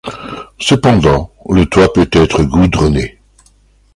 Cependant, le toit peut être goudronné.